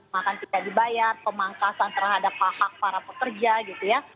makan tidak dibayar pemangkasan terhadap hak hak para pekerja gitu ya